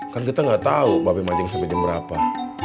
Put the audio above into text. kan kita gak tahu mbak be mancing sampai jam berapa